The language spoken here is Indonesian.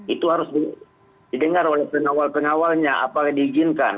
itu harus didengar oleh pengawal pengawalnya apakah diizinkan